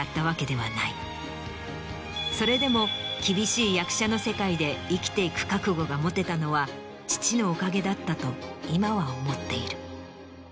それでも厳しい役者の世界で生きていく覚悟が持てたのは父のおかげだったと今は思っている。